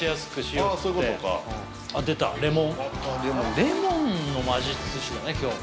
レモンの魔術師だね今日。